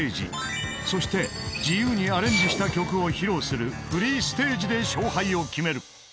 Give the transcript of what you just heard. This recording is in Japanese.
［そして自由にアレンジした曲を披露するフリーステージで勝敗を決める］